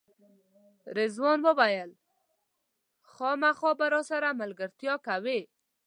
رضوان وویل خامخا به راسره ملګرتیا کوئ.